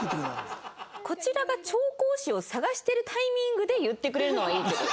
こちらが調香師を探してるタイミングで言ってくれるのはいいけど。